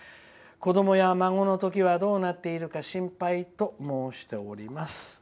子どもや孫の時はどうなっているか心配と申しております」。